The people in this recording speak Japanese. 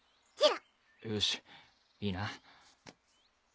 よしいいな。